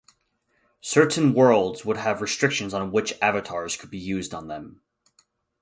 Certain Worlds would have restrictions on which Avatars could be used on them.